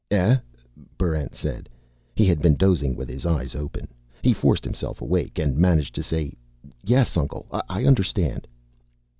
"Eh?" Barrent said. He had been dozing with his eyes open. He forced himself awake and managed to say, "Yes, Uncle, I understand."